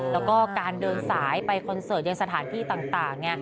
แล้วก็การเดินสายไปคอนเสิร์ตยังสถานที่ต่าง